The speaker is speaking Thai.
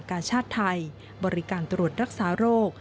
กาชาติไทยบริการตรวจรักษาโรค